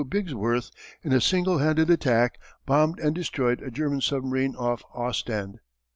Bigsworth in a single handed attack bombed and destroyed a German submarine off Ostend.